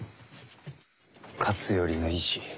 勝頼の意思。